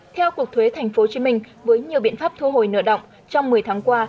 theo cục thuế tp hcm với nhiều biện pháp thu hồi nợ động trong một mươi tháng qua